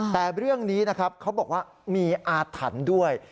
แต่เรื่องนี้นะครับเขาบอกว่ามีอาถรรพ์ด้วย